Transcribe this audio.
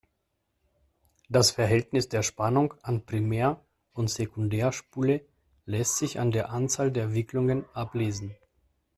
Das Verhältnis der Spannung an Primär- und Sekundärspule lässt sich an der Anzahl der Wicklungen ablesen.